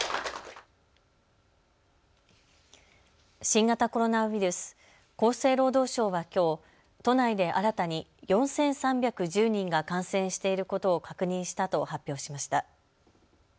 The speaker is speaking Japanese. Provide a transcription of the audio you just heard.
新型コロナウイルス、厚生労働省はきょう都内で新たに４３１０人が感染していることを確認したと発表しました。